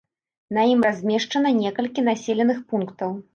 На ім размешчана некалькі населеных пунктаў.